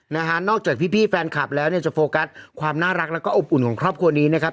นะฮะนอกจากพี่พี่แฟนคลับแล้วเนี่ยจะโฟกัสความน่ารักแล้วก็อบอุ่นของครอบครัวนี้นะครับ